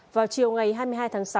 vào chiều ngày hai mươi hai tháng sáu